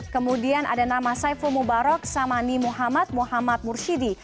kemudian ada nama saiful mubarok samani muhammad muhammad murshidi